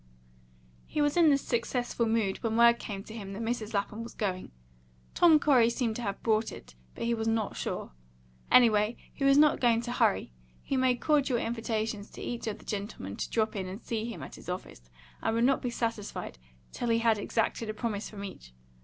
He was in this successful mood when word came to him that Mrs. Lapham was going; Tom Corey seemed to have brought it, but he was not sure. Anyway, he was not going to hurry. He made cordial invitations to each of the gentlemen to drop in and see him at his office, and would not be satisfied till he had exacted a promise from each.